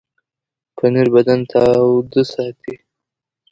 پنېر بدن تاوده ساتي.